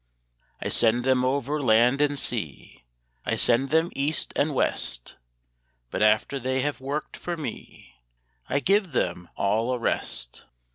I send them over land and sea, I send them east and west; But after they have worked for me, I give them all a rest.